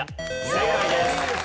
正解です。